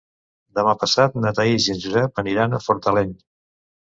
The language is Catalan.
Demà passat na Thaís i en Josep aniran a Fortaleny.